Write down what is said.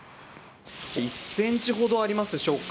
１ｃｍほどありますでしょうか。